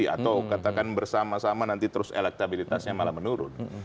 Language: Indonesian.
atau katakan bersama sama nanti terus elektabilitasnya malah menurun